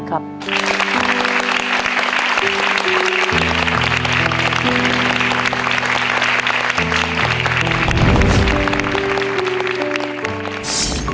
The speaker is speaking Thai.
จุ่มจะไม่ได้ยินด้วย